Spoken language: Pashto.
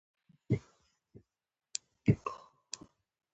نن سهار يې مياشت له لمره کړه.